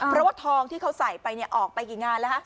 เพราะว่าทองที่เขาใส่ไปออกไปกี่งานแล้วฮะ